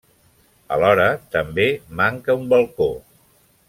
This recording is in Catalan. Alhora també manca un balcó.